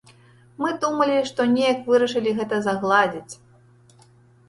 Мы думалі, што неяк вырашылі гэта загладзіць.